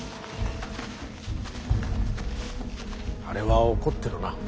あれは怒ってるな。